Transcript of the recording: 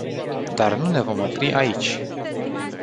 Dar nu ne vom opri aici.